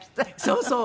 そうそう。